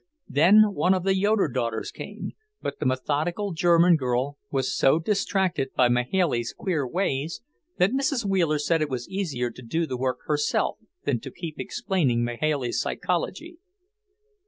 Then one of the Yoeder daughters came; but the methodical German girl was so distracted by Mahailey's queer ways that Mrs. Wheeler said it was easier to do the work herself than to keep explaining Mahailey's psychology.